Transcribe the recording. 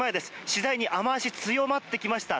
次第に雨脚強まってきました。